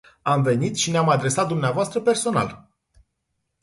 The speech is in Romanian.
Am venit și ne-am adresat dvs. personal.